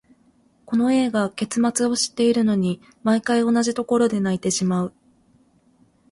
この映画、結末を知っているのに、毎回同じところで泣いてしまう。